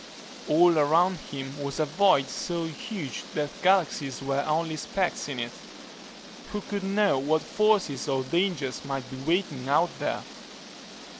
All around him was a void so huge that galaxies were only specks in it.... Who could know what forces or dangers might be waiting out there?